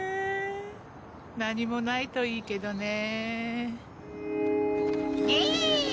何もないといいけどね。ねぇ？